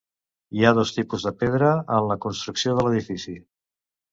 Hi ha dos tipus de pedra en la construcció de l'edifici.